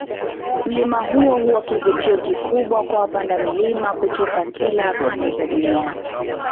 Mlima huu huwa kivutio kikubwa kwa wapanda milima kutoka kila pande za dunia